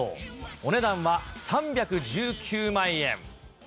お値段は３１９万円。